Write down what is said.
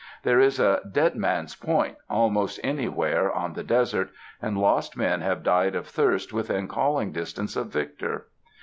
There is a "Deadman's Point" almost anywhere on the desert, and lost men have died of thirst within calling dis tance of Victor.